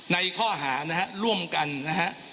ในข้อหานะฮะร่วมกันนะฮะ